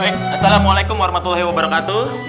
waalaikumsalam warahmatullahi wabarakatuh